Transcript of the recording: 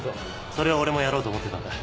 それは俺もやろうと思ってたんだ。